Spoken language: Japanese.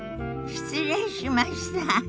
失礼しました。